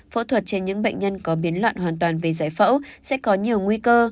phẫu thuật trên những bệnh nhân có biến loạn hoàn toàn về giải phẫu sẽ có nhiều nguy cơ